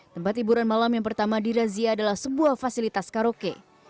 tempat hiburan malam yang pertama dirazia adalah sebuah fasilitas karaoke